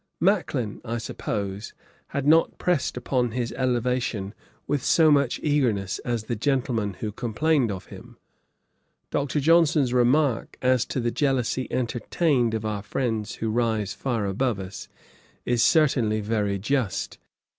Macklin, I suppose, had not pressed upon his elevation with so much eagerness as the gentleman who complained of him. Dr. Johnson's remark as to the jealousy 'entertained of our friends who rise far above us,' is certainly very just.